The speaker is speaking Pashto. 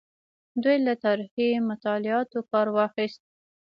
دوی له تاریخي مطالعاتو کار واخیست.